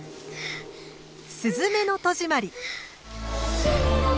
「すずめの戸締まり」